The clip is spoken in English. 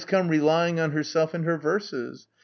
No, she relies upon herself and her verses....